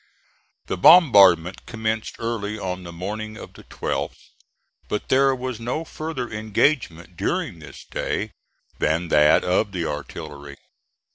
The bombardment commenced early on the morning of the 12th, but there was no further engagement during this day than that of the artillery.